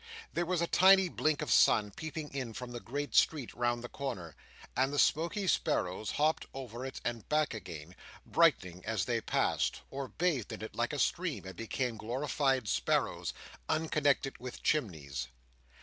There was a tiny blink of sun peeping in from the great street round the corner, and the smoky sparrows hopped over it and back again, brightening as they passed: or bathed in it, like a stream, and became glorified sparrows, unconnected with chimneys.